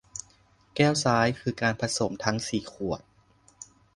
แก้วซ้ายคือการผสมทั้งสี่ขวด